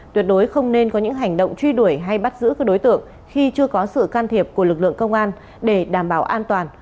tuyệt đối không nên có những hành động truy đuổi hay bắt giữ các đối tượng khi chưa có sự can thiệp của lực lượng công an để đảm bảo an toàn